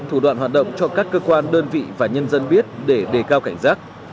thủ đoạn hoạt động cho các cơ quan đơn vị và nhân dân biết để đề cao cảnh giác